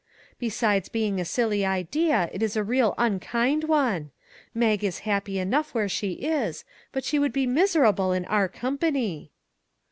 Besides being a silly idea, it is a real unkind one. Mag is happy enough 2OI MAG AND MARGARET where she is, but she would be miserable in our company."